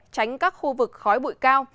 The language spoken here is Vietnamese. tránh các khu vực khói bụi cao